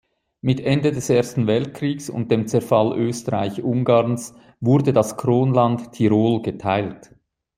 Mit Ende des Ersten Weltkriegs und dem Zerfall Österreich-Ungarns wurde das Kronland Tirol geteilt.